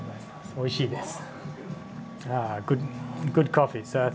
おいしいです。